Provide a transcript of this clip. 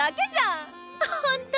ほんと！